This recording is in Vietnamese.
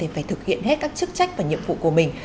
phải thực hiện hết các chức trách và nhiệm vụ của mình